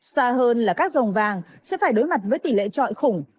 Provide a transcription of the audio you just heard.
xa hơn là các dòng vàng sẽ phải đối mặt với tỷ lệ trọi khủng